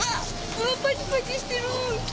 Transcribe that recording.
うわっパチパチしてる。